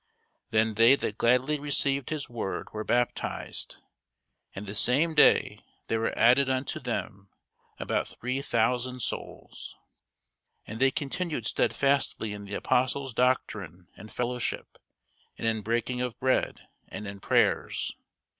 Then they that gladly received his word were baptized: and the same day there were added unto them about three thousand souls. And they continued stedfastly in the apostles' doctrine and fellowship, and in breaking of bread, and in prayers.